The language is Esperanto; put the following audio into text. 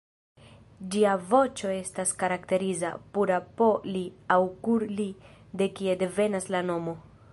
Ĝia voĉo estas karakteriza, pura "po-li" aŭ “kur-li” de kie devenas la nomo.